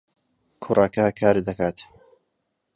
کوڕەکە کار دەکات.